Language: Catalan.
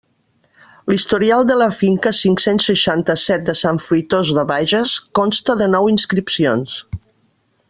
L'historial de la finca cinc-cents seixanta-set de Sant Fruitós de Bages consta de nou inscripcions.